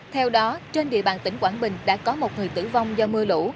theo đó trên địa bàn tỉnh quảng bình đã có một người tử vong do mưa lũ